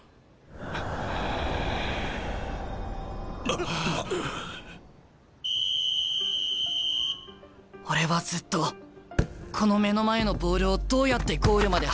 心の声俺はずっとこの目の前のボールをどうやってゴールまで運ぶか